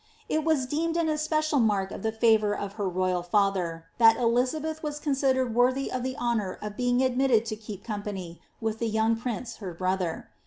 It was deemed an especial mark of the favour of her royal father, that □izabeth was considered worthy of the honour of being admitted to keep company with the young prince her brother.